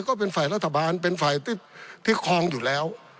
ก็เป็นฝ่ายรัฐบาลเป็นฝ่ายที่คลองอยู่แล้ว